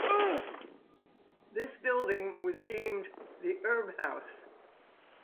This building was deemed the Herb House.